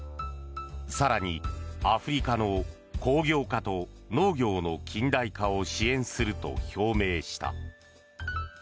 更に、アフリカの工業化と農業の近代化を支援すると表明した。